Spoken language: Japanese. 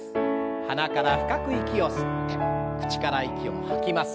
鼻から深く息を吸って口から息を吐きます。